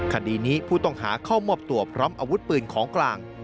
คดีนี้ผู้ต้องหาเข้ามอบตัวพร้อมอาวุธปืนของกลาง